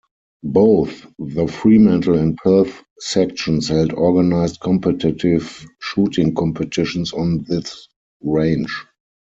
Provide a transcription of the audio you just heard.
Both the Fremantle and Perth sections held organised competitive shooting competitions on this range.